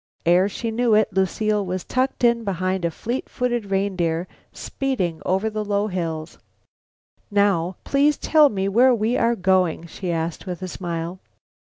Ere she knew it, Lucile was tucked in behind a fleet footed reindeer, speeding over the low hills. "Now, please tell me where we are going," she asked with a smile.